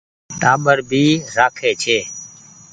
ٽآٻر ڀي رآکي ڇي۔